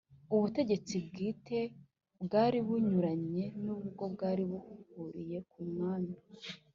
ubutegetsi bwite bwari bunyuranye, n'ubwo bwari buhuriye ku mwami.